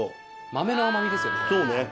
豆の甘みですよね。